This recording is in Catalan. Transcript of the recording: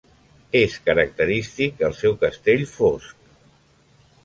És característic el seu castell fosc.